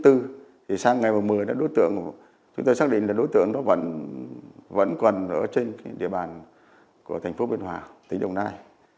thì sáng ngày một mươi đối tượng chúng tôi xác định là đối tượng đó vẫn còn ở trên địa bàn của thành phố biên hòa tỉnh đồng nai